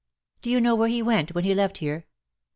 ^^'^ Do you know where he went when he left here